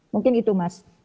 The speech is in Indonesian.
mungkin itu mas